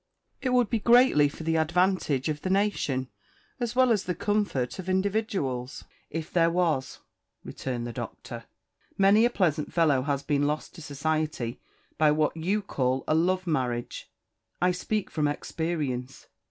"It would be greatly for the advantage of the nation, as well as the comfort of individuals, if there was," returned the Doctor. "Many a pleasant fellow has been lost to society by what you call a love marriage. I speak from experience.